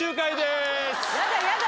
やだやだ